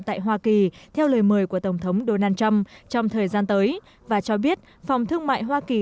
tại hoa kỳ theo lời mời của tổng thống donald trump trong thời gian tới và cho biết phòng thương mại hoa kỳ